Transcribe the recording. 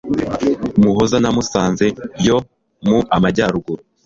muhoza na musanze yo mu amajyaruguru